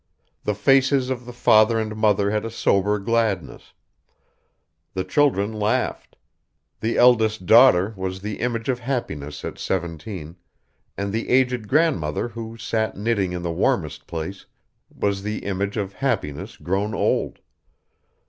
The faces of the father and mother had a sober gladness; the children laughed; the eldest daughter was the image of Happiness at seventeen; and the aged grandmother who sat knitting in the warmest place, was the image of Happiness grown old.